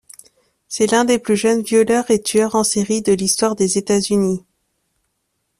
C'est l'un des plus jeunes violeurs et tueurs en série de l'histoire des États-Unis.